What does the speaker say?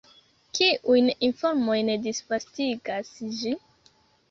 Kiujn informojn disvastigas ĝi?